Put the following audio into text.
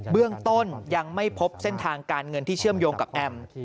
เรื่องต้นยังไม่พบเส้นทางการเงินที่เชื่อมโยงกับแอม